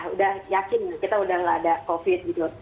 udah yakin kita udah nggak ada covid gitu